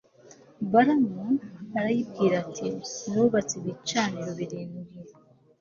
balamu arayibwira ati nubatse ibicaniro birindwi